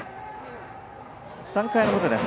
３回の表です。